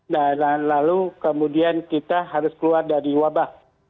dan lalu kemudian kita harus keluar dari wabah